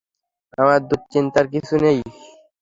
আমার দুশ্চিন্তার কিছু নেই।